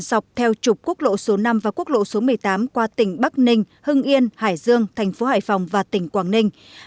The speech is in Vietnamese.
dọc theo trục quốc lộ số năm và quốc lộ số một mươi tám qua tỉnh bắc ninh hưng yên hải dương thành phố hải phòng và tỉnh quảng ninh